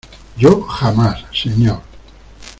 yo, jamás , señor.